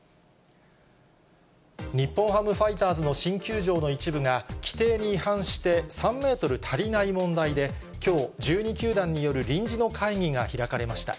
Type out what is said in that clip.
日本ハムファイターズの新球場の一部が規定に違反して３メートル足りない問題で、きょう、１２球団による臨時の会議が開かれました。